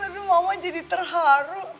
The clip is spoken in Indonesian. aduh mama jadi terharu